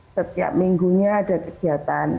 setiap minggunya ada kegiatan